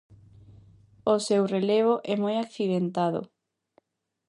O seu relevo é moi accidentado.